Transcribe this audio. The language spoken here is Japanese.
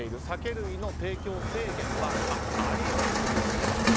酒類の提供制限はあり得るという言い方。